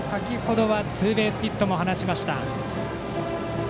ツーベースヒットも放ちました。